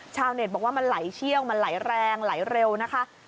เน็ตบอกว่ามันไหลเชี่ยวมันไหลแรงไหลเร็วนะคะ